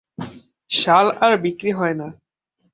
শাল আর বিক্রী হয় না।